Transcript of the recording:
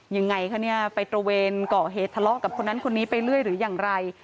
ยังไงคะเนี่ยไปตระเวนก่อเหตุทะเลาะกับคนนั้นคนนี้ไปเรื่อยหรืออย่างไร